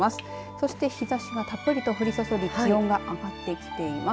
そして日ざしがたっぷりと降り注ぎ気温が上がってきています。